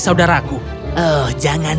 saudaraku oh jangan